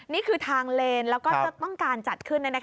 นี่คือทางเลนแล้วก็จะต้องการจัดขึ้น